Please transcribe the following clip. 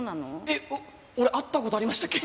えっ俺会った事ありましたっけ？